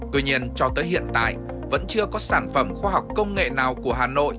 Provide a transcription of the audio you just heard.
tuy nhiên cho tới hiện tại vẫn chưa có sản phẩm khoa học công nghệ nào của hà nội